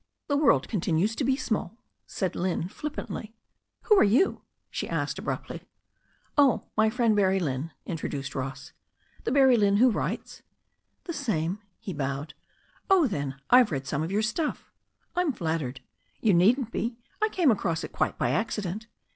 "The world continues to be small," said Lynne flippantly. "Who are you?" she asked abruptly. "Oh, my friend, Barrie Lynne," introduced Ross. "The Barrie Lynne who writes?" "The same," he bowed. "Oh, then, I've read some of your stuff." "I'm flattered." "You needn't be. I came across it quite by accident."